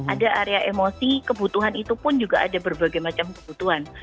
ada area emosi kebutuhan itu pun juga ada berbagai macam kebutuhan